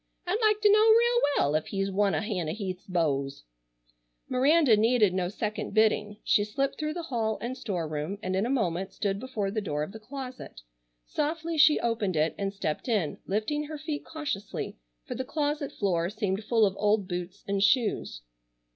I'd like to know real well ef he's one o' Hannah Heath's beaux." Miranda needed no second bidding. She slipped through the hall and store room, and in a moment stood before the door of the closet. Softly she opened it, and stepped in, lifting her feet cautiously, for the closet floor seemed full of old boots and shoes.